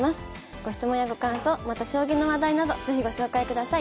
ご質問やご感想また将棋の話題など是非ご紹介ください。